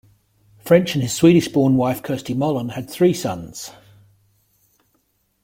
French and his Swedish-born wife Kersti Molin had three sons.